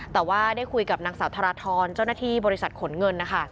แต่ว่าได้คุยกับนางสาวธรทรเจ้าหน้าที่บริษัทขนเงินนะคะ